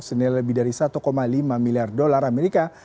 senilai lebih dari satu lima miliar dolar amerika